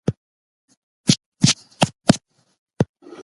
تاسي باید خپله ډوډې پخه کړئ.